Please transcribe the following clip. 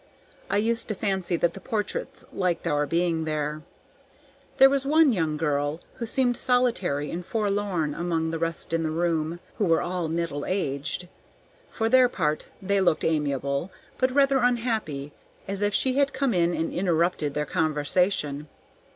I used to fancy that the portraits liked our being there. There was one young girl who seemed solitary and forlorn among the rest in the room, who were all middle aged. For their part they looked amiable, but rather unhappy, as if she had come in and interrupted their conversation.